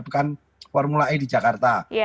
bukan formula e di jakarta